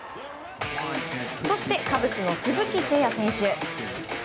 そして、カブスの鈴木誠也選手。